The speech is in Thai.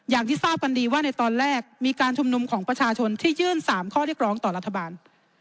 อย่างที่ทราบกันดีว่าในตอนแรกมีการชุมนุมของประชาชนที่ยื่น๓ข้อเรียกร้องต่อรัฐบาล